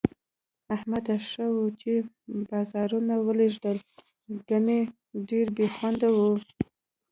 احمده! ښه وو چې بازارونه ولږېدل، گني ډېره بې خوندي وه.